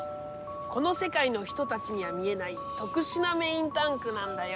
このせかいの人たちには見えないとくしゅなメインタンクなんだよ。